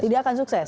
tidak akan sukses